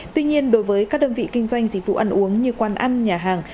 tuy nhiên đối với các đơn vị kinh doanh dịch vụ ăn uống như quán ăn nhà hàng